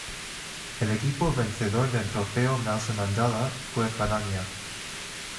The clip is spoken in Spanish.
El equipo vencedor del trofeo Nelson Mandela fue Padania.